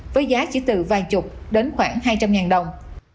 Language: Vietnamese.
với giá chỉ từ vài chục đến khoảng hai trăm linh ngàn đồng